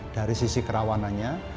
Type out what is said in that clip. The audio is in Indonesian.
dari sisi kerawanannya